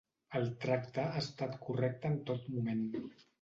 El tracte ha estat correcte en tot moment.